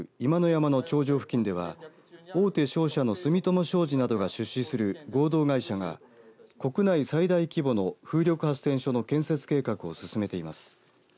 山の頂上付近では大手商社の住友商事などが出資する合同会社が国内最大規模の風力発電所の建設計画を進めています。